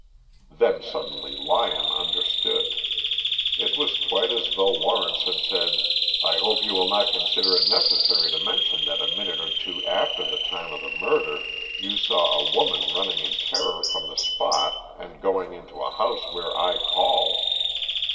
Then suddenly Lyon understood. It was quite as though Lawrence had said, "I hope you will not consider it necessary to mention that a minute or two after the time of the murder you saw a woman running in terror from the spot and going into a house where I call."